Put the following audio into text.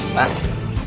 pak ke sini